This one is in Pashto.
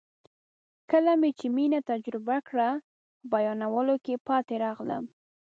کله مې چې مینه تجربه کړه په بیانولو کې پاتې راغلم.